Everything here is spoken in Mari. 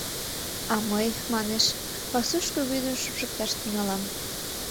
А мый, — манеш, — пасушко вӱдым шупшыкташ тӱҥалам.